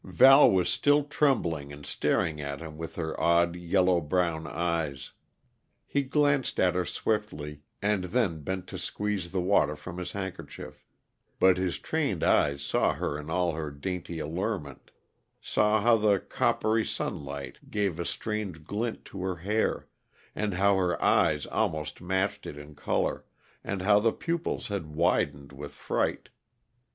Val was still trembling and staring at him with her odd, yellow brown eyes. He glanced at her swiftly, and then bent to squeeze the water from his handkerchief; but his trained eyes saw her in all her dainty allurement; saw how the coppery sunlight gave a strange glint to her hair, and how her eyes almost matched it in color, and how the pupils had widened with fright.